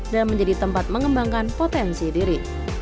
dan menjadi tempat mengembangkan potensi diri